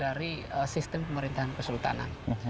dari sistem pemerintahan kesultanan